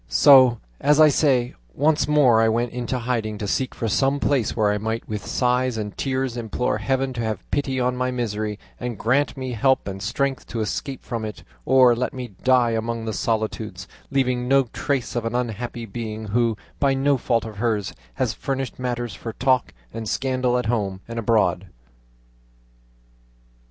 So, as I say, once more I went into hiding to seek for some place where I might with sighs and tears implore Heaven to have pity on my misery, and grant me help and strength to escape from it, or let me die among the solitudes, leaving no trace of an unhappy being who, by no fault of hers, has furnished matter for talk and scandal at home and abroad."